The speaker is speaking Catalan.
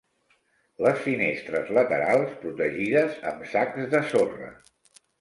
Les finestres laterals, protegides amb sacs de sorra